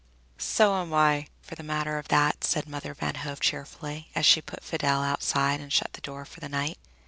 "So am I, for the matter of that," said Mother Van Hove cheerfully, as she put Fidel outside and shut the door for the night.